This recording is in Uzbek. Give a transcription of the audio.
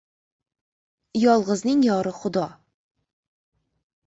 • Yolg‘izning yori Xudo.